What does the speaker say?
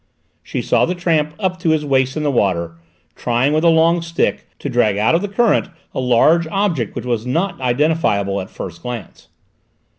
She saw the tramp up to his waist in the water, trying, with a long stick, to drag out of the current a large object which was not identifiable at a first glance.